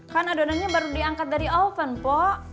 kan adonannya baru diangkat dari oven pok